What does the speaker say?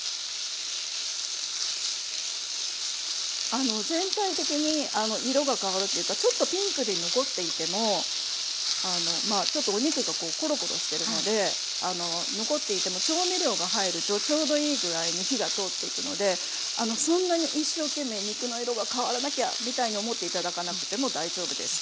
あの全体的に色が変わるっていうかちょっとピンクで残っていてもちょっとお肉がコロコロしてるので残っていても調味料が入るとちょうどいい具合に火が通っていくのでそんなに一生懸命肉の色が変わらなきゃみたいに思って頂かなくても大丈夫です。